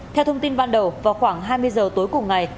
theo thông tin ban đầu vào khoảng hai mươi giờ tối cùng ngày